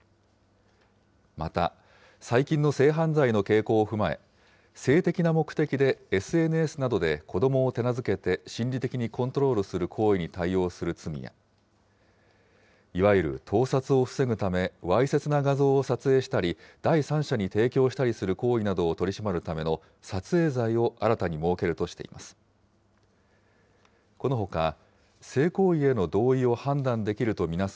また最近の性犯罪の傾向を踏まえ、性的な目的でＳＮＳなどで子どもを手なずけて心理的にコントロールする行為に対応する罪や、いわゆる盗撮を防ぐため、わいせつな画像を撮影したり、第三者に提供したりする行為などを取り締まるための撮影罪を新たに設けるとしています。